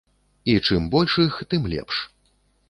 І чым больш іх, тым лепш.